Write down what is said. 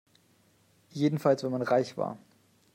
Jedenfalls wenn man reich war.